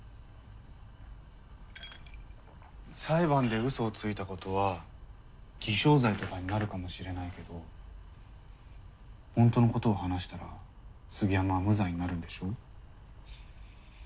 裁判でウソをついたことは偽証罪とかになるかもしれないけど本当のことを話したら杉山は無罪になるんでしょう。